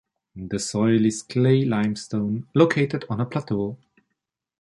The soil is clay-limestone located on a plateau.